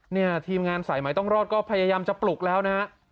เนี่ยทีมงานสายใหม่ต้องรอดก็พยายามจะปลุกแล้วนะฮะ